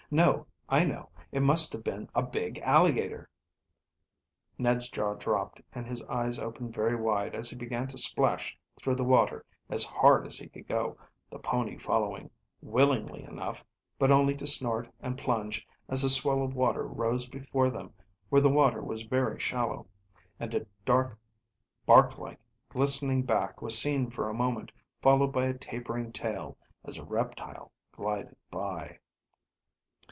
No, I know, it must have been a big alligator." Ned's jaw dropped and his eyes opened very wide as he began to splash through the water as hard as he could go, the pony following willingly enough, but only to snort and plunge as a swell of water rose before them where the water was very shallow, and a dark, bark like, glistening back was seen for a moment, followed by a tapering tail, as a reptile glided by.